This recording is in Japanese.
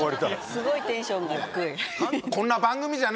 すごいテンションが低い。